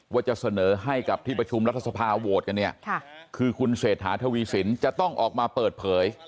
ว่าจะเสนอให้กับที่ประชุมรัฐสภาโหวตกันเนี่ยคือคุณเศรษฐาทวีสินจะต้องออกมาเปิดเผย